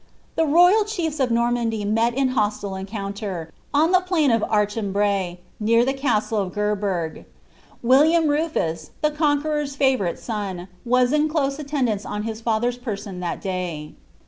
The royal chj^ of Normandy met in hostile encounter, on the plain of Archeml»ayci near the castle of Gerbetg. William Rnfus, the Conqueror'a fiivoivJK son, was in close attendance on his father's person that day.